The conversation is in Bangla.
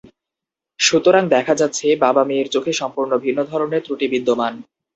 সুতরাং দেখা যাচ্ছে, বাবা মেয়ের চোখে সম্পূর্ণ ভিন্ন ধরনের ত্রুটি বিদ্যমান।